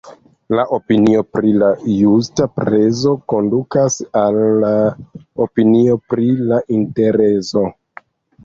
La opinio pri la justa prezo kondukas al la opinio pri la interezo.